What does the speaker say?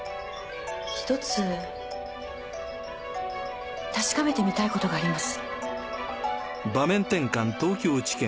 １つ確かめてみたいことがあります。